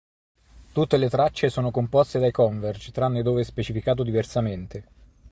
Tutte le tracce sono composte dai Converge tranne dove specificato diversamente.